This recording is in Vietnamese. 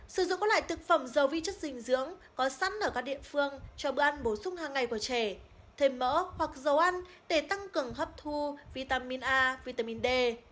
sử dụng các loại thực phẩm dầu vi chất dinh dưỡng có sẵn ở các địa phương cho bữa ăn bổ sung hàng ngày của trẻ thêm mỡ hoặc dầu ăn để tăng cường hấp thu vitamin a vitamin d